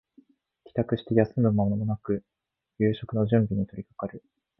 帰宅して休む間もなく夕食の準備に取りかかる